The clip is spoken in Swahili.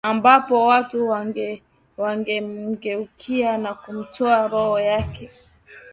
ambapo watu wangemgeukia na kumtoa roho yak